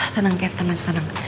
tenang cat tenang